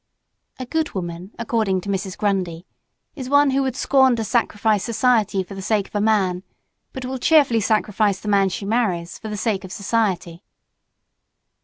A "good woman," according to Mrs. Grundy, is one who would scorn to sacrifice society for the sake of a man but will cheerfully sacrifice the man she marries for the sake of society.